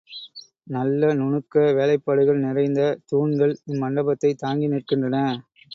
நல்ல நுணுக்க வேலைப்பாடுகள் நிறைந்த தூண்கள் இம்மண்டபத்தைத் தாங்கி நிற்கின்றன.